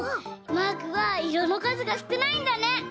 マークはいろのかずがすくないんだね！